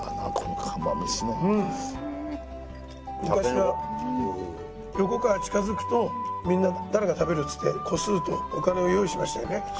昔は横川近づくと「みんな誰か食べる？」っつって個数とお金を用意しましたよね。